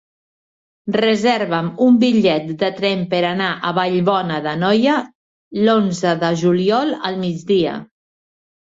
Reserva'm un bitllet de tren per anar a Vallbona d'Anoia l'onze de juliol al migdia.